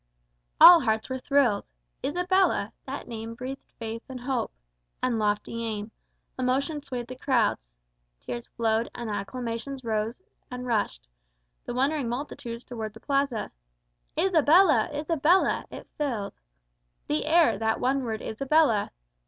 _" All hearts were thrilled. "Isabella!" That name breathed faith and hope And lofty aim. Emotion swayed the crowds: Tears flowed, and acclamations rose, and rushed The wondering multitudes toward the plaza. "Isabella! Isabella!" it filled The air that one word "Isabella!"